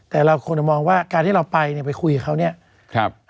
แต่เราควรจะมองว่าการที่เราไปเนี่ยไปคุยกับเขาเนี่ยครับ